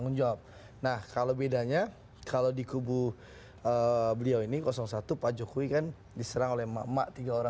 ujarannya itu adalah apa